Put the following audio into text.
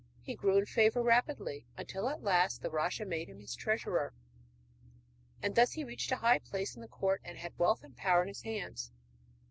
He grew in favour rapidly, until at last the rajah made him his treasurer, and thus he reached a high place in the court and had wealth and power in his hands.